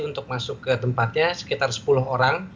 untuk masuk ke tempatnya sekitar sepuluh orang